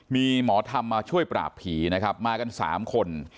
มีหมอธรรมมาช่วยปราบผีนะครับมากัน๓คน